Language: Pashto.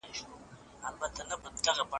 موږ تفریح ته وځو.